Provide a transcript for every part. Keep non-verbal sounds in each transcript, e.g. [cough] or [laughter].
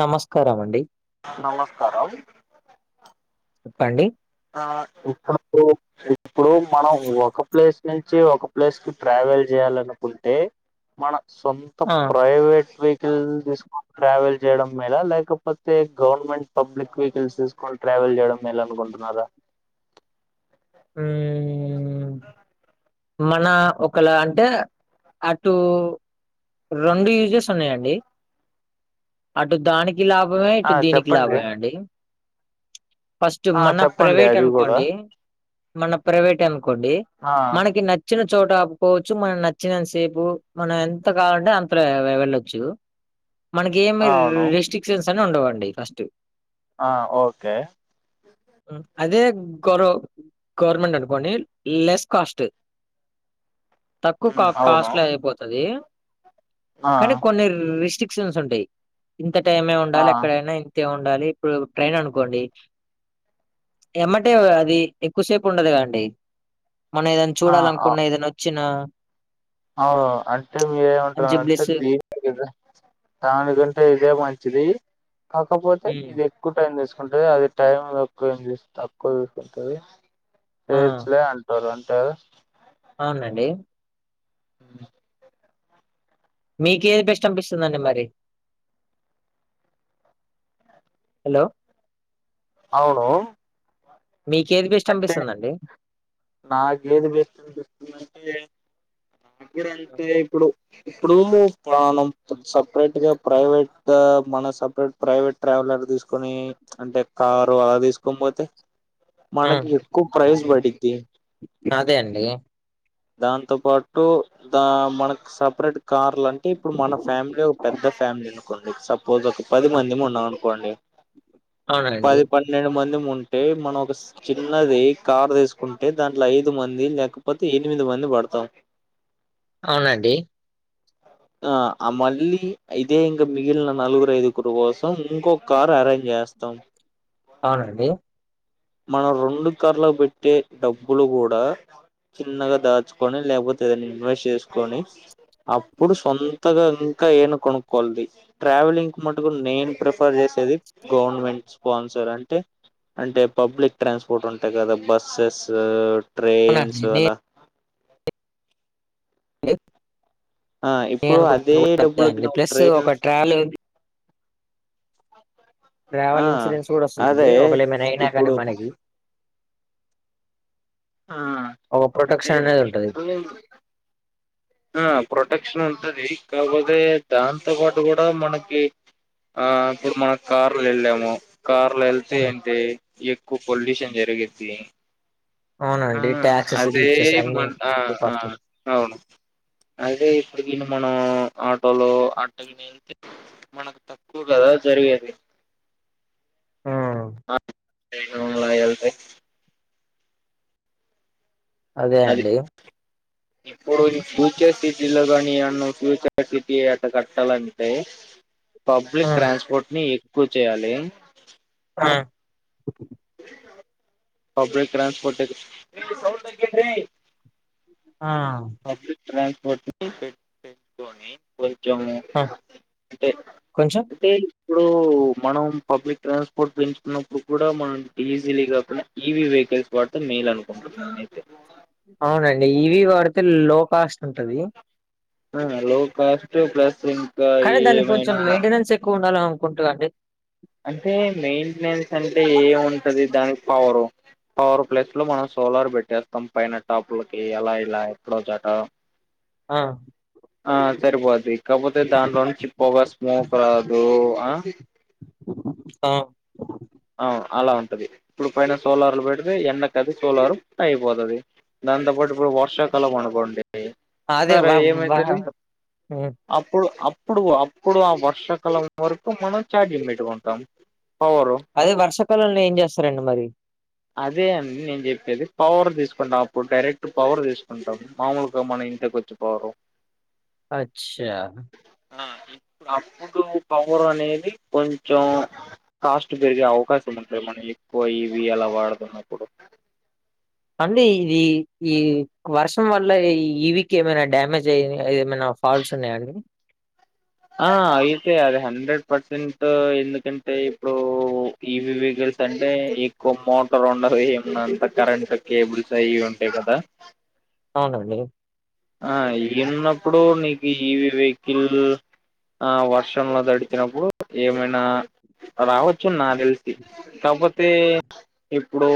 నమస్కారం అండి ఆ నమస్కారం చెప్పండి ఆ ఒక్క ప్రూఫ్ చూపి ఇప్పుడు మనం ఒక ప్లేస్ నుంచి ఒక ప్లేస్ కి ట్రావెల్ చెయ్యాలనుకుంటే మన సొంత ఆ! ప్రైవేట్ వెహి వెకల్ తీసుకొని ట్రావెల్ చేయడం మేల లేకపోతే గవర్నమెంట్ పబ్లిక్ వెహికల్స్ తీసుకు కొని ట్రావెల్ చేయడం మేలనుకుంటున్నార హ్మ్ మన ఒకల అంటే అటూ రెండు యూజెస్ ఉన్నాయండి అటు దానికి లాభమే ఆ ఇటు దీనికి చెప్పండి లాభమే అండి ఫస్ట్ ఆ మన చెప్పండి ప్రైవేట్ అది కూడా అనుకోండి మన ప్రైవేట్ అనుకోండి ఆ మనకి నచ్చి నచ్చిన చోట ఆపుకోవచ్చు మనం నచ్చినంత సేపు మనం ఎంత కావాలంటే అంతలో వెళ్ళొచ్చు మనకి ఎమి అవును రెస్ట్రిక్షన్స్ అని ఉండవండి ఫస్ట్ ఆ ఒకే అదే గోరొ గవర్నమెంట్ అనుకోండి లెస్ కాస్ట్ తక్కువ కా ఉమ్, అవును కాస్ట్ లో అయిపోతది ఆ కానీ కొన్ని రిస్ట్రిక్షన్స్ ఉంటాయి ఇంత టైమే ఆ ఉండాలి ఎక్కడైనా ఉండాలి ఇప్పుడు ట్రైన్ అనుకోండి ఎమ్మటే అది ఎక్కువసేపు ఉండదు కదండి మనం ఏదన్నా ఆ చూడాలనుకున్న ఏదొన్నా వొచ్చిన అవ్ అంటే మంచి మీరేమంటున్నారు అంటే బ్లెస్ ది దానికంటే ఇదే మంచిది కాకపోతే హ్మ్. ఇదే తక్కువ టైం తీసుకుంటాది అది టైం ఎక్కువ ఏం తక్కువ తీసుకుంటది ఆ! చేయచ్చులె అంటారు అంటారు అవునండి [inaudible] మీకేది బెస్ట్ అనిపిస్తుంది అండి మరి హలో అవును మీకేది బెస్ట్ అనిపిస్తుంది అండి నా దగ్గర అంతే ఇప్పుడు ఇప్పుడు పాణం సపరేట్ గా ప్రైవేట్ మన సపరేట్ ప్రైవేట్ ట్రావెలర్ తీసుకొని అంటే కారు అది తీసుకొనిపోతే మనకి ఎక్కువ ప్రైస్ పడిద్దీ నాదే అండి దాంతో పాటు దా మనకు సపరేట్ కార్లు అంటే ఇప్పుడు మన ఫ్యామిలీ ఒక పెద్ద ఫ్యామిలీ అనుకుండి సప్ పది మంది ఉన్నాం అనుకోండి అవునండి. పది ప పన్నెండు మందిము ఉంటే మనం ఒక చిన్నది కార్ తీసుకుంట అంటే దాంట్లో ఐదు మంది లేకపోతే ఎనిమిది మంది పడతామ్ అవునండి ఆ ఆ మల్లి ఇదే ఇంకా మిగిలిన నలుగురు ఐదుగురు కోసం ఇంకొక కారు అరేంజ్ చేస్తాం అవునండి మనం రెండు కార్లకు పెట్టే డబ్బులు కూడా చిన్నగా దాచుకొని లేకపోతే ఏదన్న ఇన్వెస్ట్ చేసుకొని అప్పుడు సొంతగా ఇంకా ఏదైనా కొనుక్కోవాలి పోయి ట్రావెలింగ్ కి మటుకు నేను ప్రిఫర్ చేసేది గవర్నమెంట్ స్పాన్సర్ అంటే అంటే పబ్లిక్ ట్రాన్స్పోర్ట్ ఉంటాయి కదా బస్సెస్ ట్రైన్స్ అవునండి. నేను అలా ఆ ఇప్పుడు అదే డబ్బులకి నువ్వు ట్రైన్ కాల్ ఉంది ఆ ట్రావెల్ ఇన్సూరెన్స్ కూడా వస్తుంది అండి అదే ఒక వేళ ఏమైనా అయినా కానీ ఇప్పుడు మనకి ఆ ఒక అంటే ప్రొటెక్షన్ అనేది ఉంటది. ఇప్పుడు ఆ ప్రొటెక్షన్ ఉంటది కాకపోతే దాంతో పాటు కూడా మనకి ఆ ఇప్పుడు మనం కార్లో వెళ్ళాము కార్లు వె తే ఆహా! వెల్తే ఎక్కువ పొల్యూషన్ జరిగిద్ది ఆ అవునండి టాక్సెస్ అదే గీక్సెస్ మ అన్ని ఆ ఎక్కువ ఆ కాస్ట్ అవును అయితే ఇప్పుడు గిన మనం ఆటోలో అట్ట గిన ఎల్తే మనకు తక్కువ కదా జరిగేది హ్మ్ [inaudible] ఏళ్తే అదే అది అండి ఇప్పుడు నీ ఫ్యూచర్ సిటీలో కానీ అన్న ఫ్యూచర్ సిటీ అట్ట కట్టాలంటే పబ్లిక్ హ్మ్ ట్రాన్స్పోర్ట్ ని ఎక్కువ చెయ్యాలి ఆ పబ్లిక్ ట్రాన్స్పోర్ట్ ఆ పబ్లిక్ ట్రాన్స్పోర్ట్ ని పె పెంచుకొని కొంచమ్ ఆ! అంటే కొంచెం అంటే ఇప్పుడు మనం పబ్లిక్ ట్రాన్స్పోర్ట్ పెంచుకున్నప్పుడు కూడా మన డీజిలి వి కాకుండా ఈవీ వెహికల్స్ వాడితే మేలు అనుకుంటున్నాను అయితే అవునండి ఇవి వాడితే లో కాస్ట్ ఉంటది ఆ లో కాస్ట్ ప్లస్ ఇంకా కానీ దానికి ఏమైనా [unintelligible] ఎక్కువ ఉండాల కుంటు గా అండి అంటే మెయింటెనెన్స్ అంటే ఏము ఉంటది దానికి పవరు పవర్ ప్లస్ లో మనం సోలార్ పెట్టేస్తాం పైన టాప్లకి అలా ఇలా ఎక్కడో ఒకచోట ఆ ఆ సరిపోద్ది కాకపోతే దాంట్లో నుంచి పోగా స్మోక్ రాదు ఆ అవు అ అలా ఉంటది ఇప్పుడు పైన సోలార్లు పెడితే ఎండకు అది సోలారు హీట్ అయిపోతదీ దాంతో పాటు ఇప్పుడు వర్షాకాలం అనుకోండి అదే భ సరే ఏమైతది [inaudible] అప్పుడు అప్పుడు అప్పుడు ఆ వర్షాకాలం వరకు మనం చాట్ జిపిటి వాడుతం అవును అదే వర్షాకాలంలో ఏం చేస్తారండి మరి అదే అండి నేను చెప్పేది పవర్ తీసుకుంటాం అప్పుడు డైరెక్ట్ పవర్ తీసుకుంటాం మామూలుగా మనం ఇంటికి వచ్చాం అచ్చా అ అప్పుడు పవర్ అనేది కొంచెం కాస్ట్ పెరిగే అవకాశం ఉంటుంది మన ఎక్కువ ఇవి అలా వాడుతున్నప్పుడు అండి ఇది ఈ వర్షం వల్ల ఈ వీక్ ఏమైనా డ్యామేజ్ అయ్య ఏమైనా ఫాల్స్ ఉన్నాయండి ఆ అయితే అది హండ్రెడ్ పర్సెంట్ ఎందుకంటే ఇప్పుడు టీవీ వెహికిల్స్ అంటే ఎక్కువ మోటార్ ఉండవి ఏమున్నా అంత కరెంట్ కేబుల్స్ అయి ఉం టయ్ గదా అవునండి ఆ ఇవి ఉన్నప్పుడు నీకు ఈ టీవీ వెహికిల్ ఆ వర్షంలో దడిచినప్పుడు ఏమైనా రావచ్చు నా దెలిసి కాపోతే ఇప్పుడు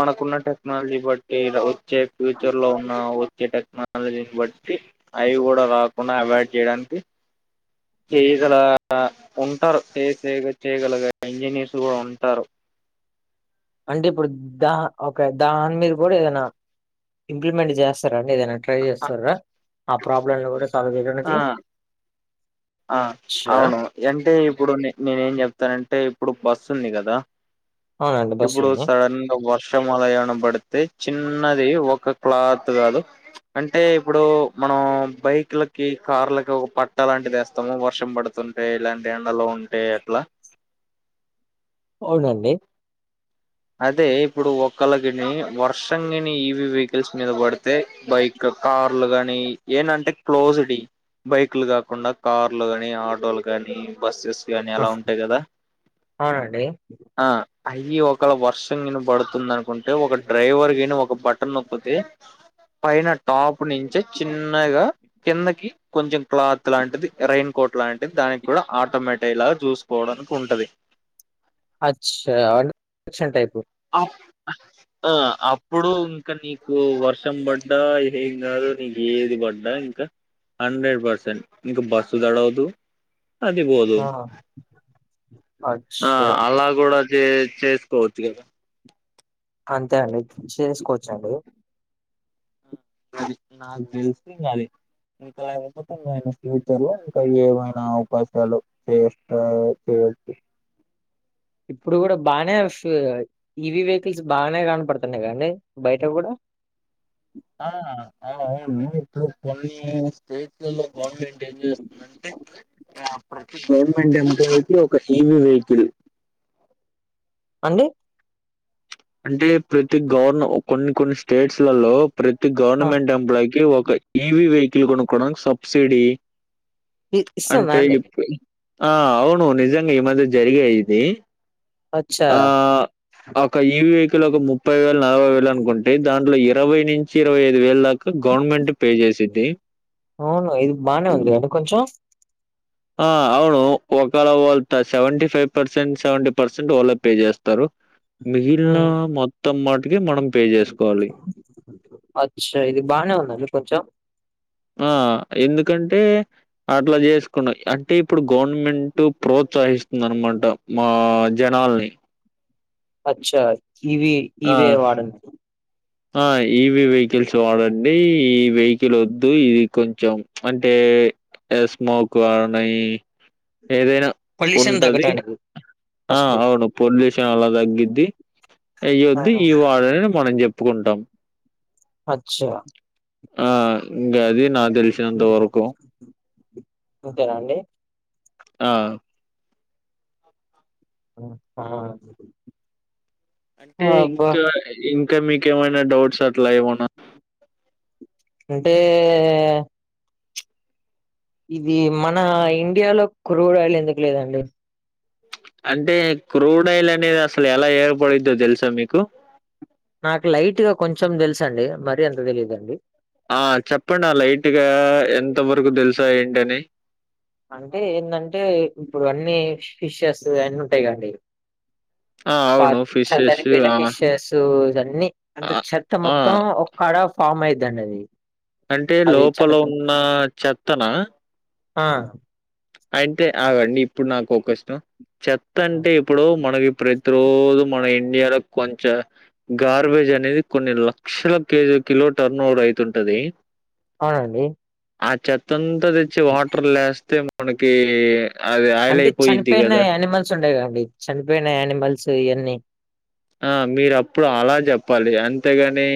మనకున్న టెక్నాలజీ బట్ వచ్చే ఫ్యూచర్ లో ఉన్న వచ్చే టెక్నాల జీని బట్టి అవి కూడా రాకుండా అవాయిడ్ జేయడానికి చేయగల ఉంటారు చేసే చేయగలగే ఇంజనీర్స్ కూడా ఉంటారు అంటే ఇప్పుడు దా ఒక దాని మీద కూడా ఏదన్నా ఇంప్లిమెంట్ జేస్తారండి ఏదైనా ట్రై చేస్తుర్రా ఆ ప్రాబ్లమ్ లో గూడా సాల్వ్ చేయడానికి ఆ ఆ అవును అంటే ఇప్పుడు నేనేం చెప్తానంటే ఇప్పుడు బస్సు ఉంది గదా అవునండి. బస్ ఇప్పుడు ఉంది. సడన్ గా వర్ షం అలా ఏమన్నా బడితే చిన్నది ఒక క్లాత్ గాదు అంటే ఇప్పుడు మనం బైక్ లకి కార్లకి ఒక పట్ట లాంటిది యేస్తాం మొత్తం వర్షం పడుతుంటే ఇలాంటి ఎండలో ఉంటే ఎట్లా అవునండి అదే ఇప్పుడు ఒకళకిని వర్షం గాని ఈవి వెహికల్స్ మీద పడితే బైక్ కార్లు గాని ఏనంటే క్లోజ్ డి బైక్లు గాకుండా కార్లు గాని ఆటోలు కానీ బస్సెస్ కానీ ఎలా ఆహ్, ఉంటాయి గదా అవునండి. ఆ అయి ఒకవేళ వర్షం గిన పడుతుంది అనుకుంటే ఒక డ్రైవర్ గిని ఒక బటన్ నొక్కితే పైన టాప్ నుంచి చిన్నగా కిందకి కొంచెం క్లాత్ లాంటిది రైయిన్ కోట్ లాంటిది దానికి కూడా ఆటోమేటి లాగా చూసుకోవడానికి ఉంటది అచ్చా కుషన్ టైపు ఆ ఆ ఆ అప్పుడు ఇంకా నీకు వర్షం బడ్డా ఏం గాదు నీకు ఏది బడ్డా ఇంకా హండ్రెడ్ పర్సెంట్ నీకు బస్సు తడవదు అదిబోదు ఆ! ఆ అచ్చా! అలా గూడా చేసుకోవచ్చు గదా అంతే అండి చేసుకోవచ్చండి అది నాకు దెలిసి ఇంగ అది ఇంకా అయిపోతున్న ఆయన ఫ్యూచర్ లో ఇంకా ఏవైనా అవకాశాలు చేస్తారో చేబట్టి ఇప్పుడు గూడా బానే వస్తున్నాయ్ ఈవీ వెహికిల్స్ బానే కనపడుతున్నాయి గదండి బయట గూడా ఆ ఆ అవును ఇప్పుడు కొన్ని న్యూస్ స్టేట్లలో గవర్నమెంట్ ఏం చేస్తుందంటే గవర్నమెంట్ ఎంప్లై కి ఒక ఈవీ వెహికిల్ అండి అంటే ప్రతి గవర్న కొన్ని కొన్ని స్టేట్స్లలో ప్రతి ఆ! గవర్నమెంట్ ఎంప్లాయ్ కి ఒక ఏవి వెహికల్ కొనుక్కోడాం సబ్సిడీ ఇ ఇస్తుందా అంటే అండి? ఎప్ ఇ ఆ అవును నిజంగా ఈ మధ్య జరిగే ఇది అచ్చా ఆహ్, ఒక ఇవి వెహికల్ ఒక ముప్పై వేలు నలభై వేలు అనుకుంటే దాంట్లో ఇరవై నుంచి ఇరవై ఐదు వేల్ దాక్ క గవర్నమెంట్ పే చేసిద్ది అవును ఇది బానే ఉంది అండి కొంచెం ఆ అవును ఒకళ వాళ్ళత seventy five percent seventy percent వాల్లే పే చేస్తారు మిగిలిన హ్మ్. మొత్తం మాటికి మనం పే జేసుకోవాలి. అచ్చా ఇది బానే ఉందండి కొంచెం ఆ ఎందుకంటే అట్లా చేసుకున్నా అంటే ఇప్పుడు గవర్నమెంట్ ప్రోత్సహిస్తుంది అనమాట మా జనాల్ని అచ్చ ఈవి ఆ! ఈవి ఎ వాడండి ఆ ఈవి వెహికల్స్ వాడండి ఈ వెహికల్ ఓద్దు ఇది కొంచెం అంటే ఏ స్మోక్ గాని ఏదైనా పొల్యూషన్ ఉంటది. తగ్గడానికి ఆ అవును పొల్యూషన్ అలా తగ్గిద్ది అయ్యొద్ది ఈవాడన మనం చెప్ ఓప్పుకుంటాం అచ్చా ఆ ఇంకా అది నాది అంతేనా అండి ఆ ఉ ఊ అంటే ఇంకా ఇంకా మీకేమైనా డౌట్స్ అట్లా ఏవనా అంటే ఇది మన ఇండియాలో క్రూడ్ ఆయిల్ ఎందుకు లేదండి అంటే క్రూడ్ ఆయిల్ అనేది అసలు ఎలా ఏర్పడిద్దో తెలుసా మీకు నాక్ లైట్ గా కొంచెం తెలుస్ అండి మరి అంతా తెలీదుండి ఆ చెప్పండి ఆ లైట్గా ఎంత వరకు తెలుసా ఏంటని అంటే ఏంటంటే ఇప్పుడు అన్నీ ఫిషెస్ అన్ని ఉంటాయిగా అండి ఆ పా అవును చ ఫిషెస్ దాని ఆ బెండకాయ్ శసు అని అంటే ఆ చెత్త ఆ! మొత్తం ఓ కడా ఫామ్ అయిద్దండి అది అంటే అది లోపల చనిపో ఉన్న చెత్తన ఆ అంటే అగండి ఇప్పుడు నాకు ఒకష్టం చెత్త అంటే ఇప్పుడు మన విపరీత్ తోజు మన ఇండియాలో కొంచ గార్బేజ్ అనేది కొన్ని లక్షల కేజీ కిలో టర్న్ ఓవర్ అవుతుంటది అవునండి ఆ చెత్త అంతా తెచ్చి వాటర్ లేస్తే మనకి అది ఆయిలైపోయిది కదా సు ఉంటయి కండి చనిపోయిన యానిమల్స్ ఇయన్నీ ఆ మీరు అప్పుడు అలా చెప్పాలి అంతేగాని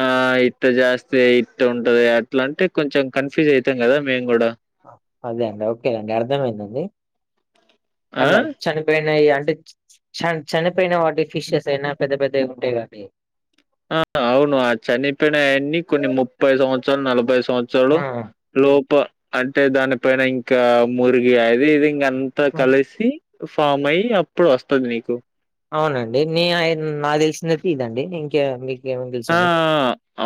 ఆ ఇ ఇట్ట జాస్తే ఇట్ ఉంటది అట్లా అంటే కొంచెం కన్ఫ్యూజ్ అయితాం కదా మేం గూడా అదే అండి ఓకే అండి అర్థమైందండి ఆ అట్లా చని పోయినాయి అంటే చ చనిపోయిన వాటి ఫిషెస్ అయినా పెద్ద పెద్దయి ఉంటయి కదండి ఆ అవును ఆ చనిపోయినాయన్నీ కొన్ని ముప్పై సంవత్సరాలు నలభై సంవత్సరాలు ఆ! లోప అంటే దానిపైన ఇంకా మురిగి అది ఇది ఇంక అంత కలేసి ఫామ్ అయి అప్పుడు వస్తది నీకు అవునండి మీ ఆయ నా తెలిసినది ఇదండి ఇంకే మీకేమన ఆ తెలుసుంటే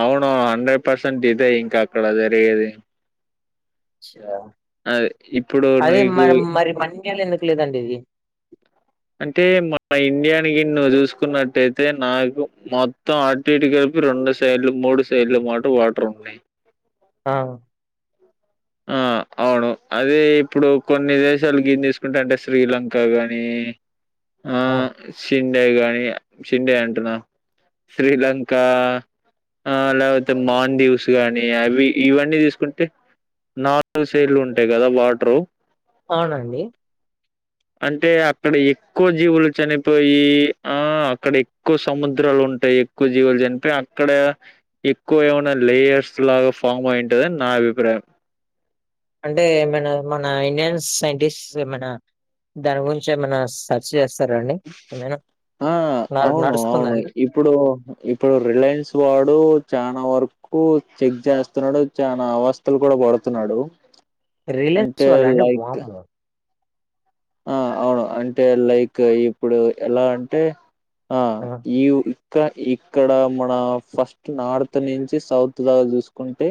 అవును హండ్రెడ్ పర్సెంట్ ఇదే ఇంక అక్కడ జరిగేది చ్చ అది ఇప్పుడు అదే నీకు మరి మరి మన్నియాలు ఎందుకు లేదండి ఇది అంటే మాన ఇండియాని గిని నువ్వు చూసుకున్నట్టయితే నాకు మొత్తం టి కలిపి రెండు సైడ్లు మూడు సైడ్లు మాట వాటర్ ఉన్నాయి ఆ ఆ అవును అదే ఇప్పుడు కొన్ని దేశాలు గిని తీసుకుంటె అంటే శ్రీలంక గాని ఆ షిండే గాని షిండే అంటున్నా శ్రీలంకా ఆ లేకపోతే మాన్ దీవస్ గాని అవి ఇవన్నీ తీసుకుంటే నాలుగు సైడ్లు ఉంటాయి కదా వాటరు అవునండి అంటే అక్కడ ఎక్కువ జీవులు చనిపోయి ఆ అక్కడ ఎక్కువ సముద్రాలు ఉంటయి ఎక్కువ జీవులు చనిపోయి అక్కడ ఎక్కువ ఏమన్న లేయర్స్ లాగా ఫామ్ అయింటదని నా అభిప్రాయం అంటే ఏమైనా మన ఇండియన్ సైంటిస్ట్ ఏమైనా దాని గురించి ఏమైనా స ర్చ్ చేస్తారాండి ఏమేనా ఆ న అవును నడుస్తుందా అవును అండి ఇప్పుడు ఇప్పుడు రిలయన్స్ వాడు చానా వరకు కు చెక్ చేస్తన్నాడు చానా అవస్థలు కూడా పడుతున్నాడు రిలయన్స్ అంటే వాళ్ళ అండి లైక్ వామ్మో ఆ అవును అంటే లైక్ ఇప్పుడు ఎలా అంటే ఆ ఈ ఇక్క ఇక్కడ మన ఫస్ట్ నార్త్ నుంచి సౌత్ దాక చూసుకుంటే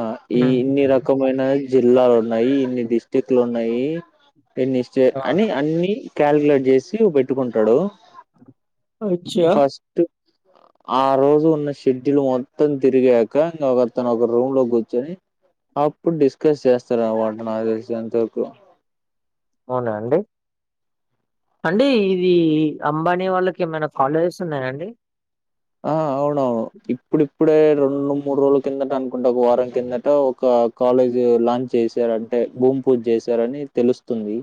ఆ ఈ హ్మ్. ఇన్ని రకమైన జిల్లాలు ఉన్నాయి ఇన్ని డిస్టిక్లు ఉన్నాయి పెన్నిస్తే ఆ! అని అన్ని క్యాలుక్యులేట్ చేసి పెట్టుకుంటడు అచ్చా! ఫస్ట్ ఆ రోజు ఉన్న షెడ్యూల్ మొత్తం తిరిగాక ఇంకో కతను ఒక రూమ్ లో కూర్చొని అప్పుడు డిస్కస్ చేస్తారనమాట నాకు తెలిసి అంత వరకు అవునా అండి అండి ఇది అంబానీ వాళ్ళకి ఏమైనా కాలేజెస్ ఉన్నాయా అండి ఆ అవునవును ఇప్పుడిప్పుడే రెండు మూడు రోజులు కిందట అనుకుంట ఒక వారం కిందట ఒక కాలేజ్ లాంచ్ చేశారంటే భూమి పూజ చేశారని తెలుస్తుంది